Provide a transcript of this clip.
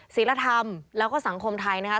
ศิลธรรมแล้วก็สังคมไทยนะครับ